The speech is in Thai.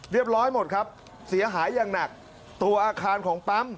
เรียบร้อยหมดครับเสียหายอย่างหนักตัวอาคารของปั๊ม